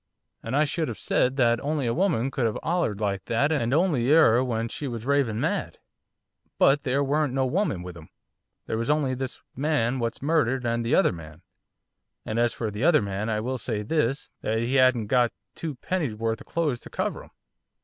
And I should 'ave said that only a woman could 'ave hollered like that and only 'er when she was raving mad. But there weren't no woman with him. There was only this man what's murdered, and the other man, and as for the other man I will say this, that 'e 'adn't got twopennyworth of clothes to cover 'im.